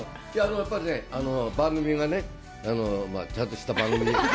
やっぱり番組がちゃんとした番組。